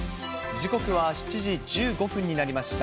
時刻は７時１５分になりました。